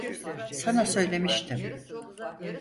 Sana söylemiştim.